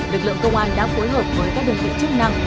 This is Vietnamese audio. lực lượng công an đã phối hợp với các đơn vị chức năng